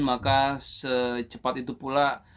maka secepat itu pula